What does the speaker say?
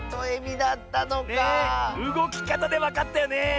うごきかたでわかったよねえ。